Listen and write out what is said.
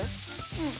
うん。